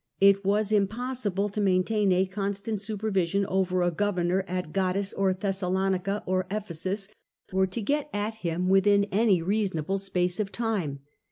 It was impossible to maintain a constant supervision over a governor at Gades, or Thessalonica, or Ephesus, or to get at him within any reasonable space of time.